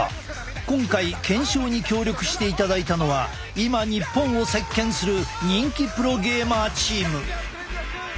今回検証に協力していただいたのは今日本を席けんする人気プロゲーマーチーム。